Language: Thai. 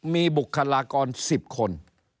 มีบุคลากร๑๐คน